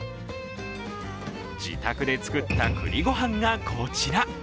自宅で作ったくりごはんがこちら。